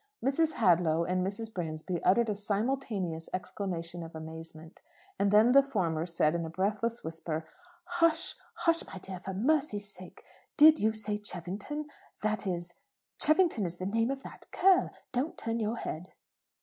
Mrs. Hadlow and Mrs. Bransby uttered a simultaneous exclamation of amazement; and then the former said in a breathless whisper, "Hush, hush, my dear, for mercy's sake! Did you say Cheffington? That is Cheffington is the name of that girl! Don't turn your head."